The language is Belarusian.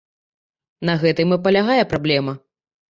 На гэтым і палягае праблема.